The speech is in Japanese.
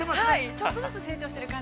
◆ちょっとずつ成長している感じが。